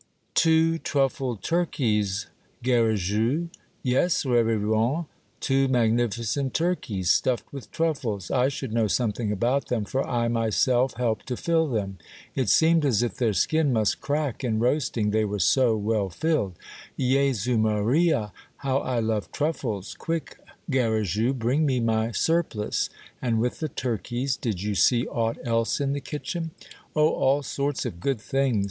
Two truffled turkeys, Garrigou ?"*' Yes, reverend, two magnificent turkeys, stuffed with truffles. I should know something about them, for I myself helped to fill them. It seemed as if their skin must crack in roasting, they were so well filled." ^^ Jhus Maria ! How I love truffles. Quick, Garrigou ! bring me my surpHce. And with the turkeys, did you see aught else in the kitchen?" " Oh, all sorts of good things.